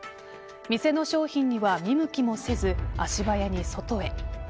店の商品には見向きもせず足早に外へ。